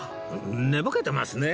寝ぼけてますね？